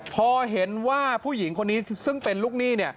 พอเห็นว่าผู้หญิงคนนี้ซึ่งเป็นลูกหนี้